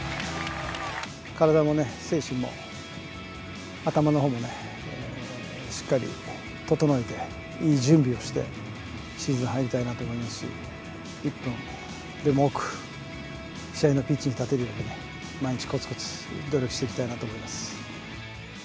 体も精神も頭のほうもね、しっかり整えて、いい準備をして、シーズン入りたいなと思いますし、１分でも多く、試合のピッチに立てるように毎日こつこつ努力していきたいなと思います。